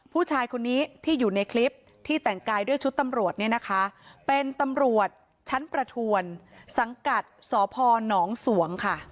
ผู้ชายคนนี้ที่อยู่ในคลิปที่แต่งกายด้วยชุดตำรวจเนี่ยนะคะเป็นตำรวจชั้นประทวนสังกัดสพนสวงค่ะ